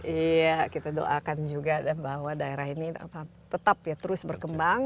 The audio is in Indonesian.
iya kita doakan juga bahwa daerah ini tetap ya terus berkembang